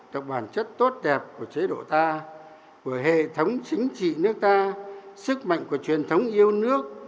độc bản chất tốt đẹp của chế độ ta của hệ thống chính trị nước ta sức mạnh của truyền thống yêu nước